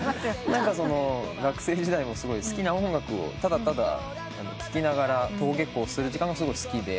学生時代も好きな音楽をただただ聴きながら登下校する時間がすごい好きで。